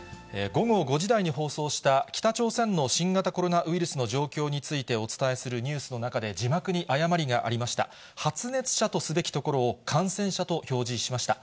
午後５時台に放送した、北朝鮮の新型コロナウイルスの状況についてお伝えするニュースの中で、字幕に誤りがありました。